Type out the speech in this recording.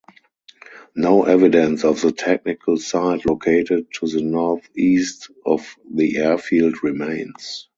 No evidence of the technical site located to the north-east of the airfield remains.